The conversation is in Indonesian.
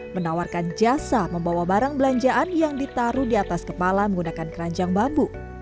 menawarkan jasa membawa barang belanjaan yang ditaruh di atas kepala menggunakan keranjang bambu